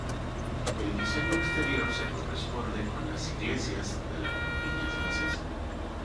El diseño exterior se corresponde con las iglesias de la campiña francesa.